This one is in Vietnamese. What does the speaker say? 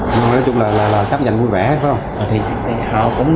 nhưng mà nói chung là chấp nhận vui vẻ phải không